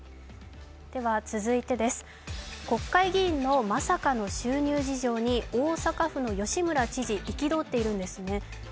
続いてです、国会議員のまさかの収入事情に大阪府の吉村知事、憤っているんです。